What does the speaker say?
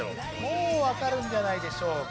もう分かるんじゃないでしょうか。